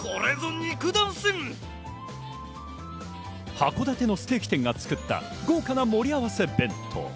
函館のステーキ店が作った豪華な盛り合わせ弁当。